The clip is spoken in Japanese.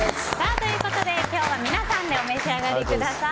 今日は皆さんでお召し上がりください。